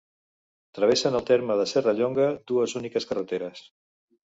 Travessen el terme de Serrallonga dues úniques carreteres.